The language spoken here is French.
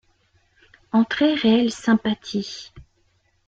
En très réelle sympathie.